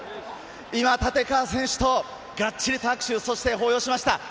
立川選手とがっちり握手を、抱擁しました。